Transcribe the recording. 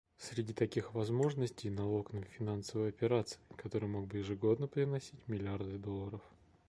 Среди таких возможностей налог на финансовые операции, который мог бы ежегодно приносить миллиарды долларов.